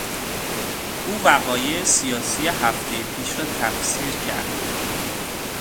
او وقایع سیاسی هفتهی پیش را تفسیر کرد.